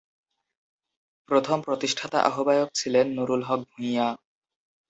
প্রথম প্রতিষ্ঠাতা আহ্বায়ক ছিলেন নূরুল হক ভূঁইয়া।